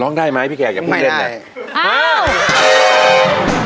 ร้องได้ไหมพี่แขกอย่าพูดแน่นแน่นแน่น